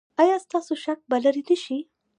ایا ستاسو شک به لرې نه شي؟